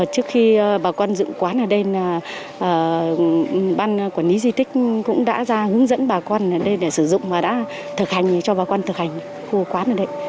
trước khi bà con dựng quán ở đây ban quản lý di tích cũng đã ra hướng dẫn bà con ở đây để sử dụng và đã thực hành cho bà con thực hành khu quán ở đây